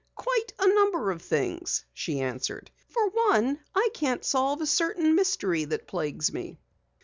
"Quite a number of things," she answered. "For one, I can't solve a certain mystery that plagues me."